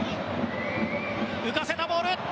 浮かせたボール。